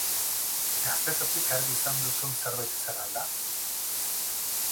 Gaztetatik argi izan duzun zerbait izan al da?